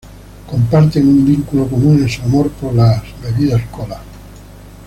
Comparten un vínculo común en su amor por la Coca-Cola.